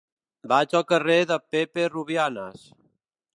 Vaig al carrer de Pepe Rubianes.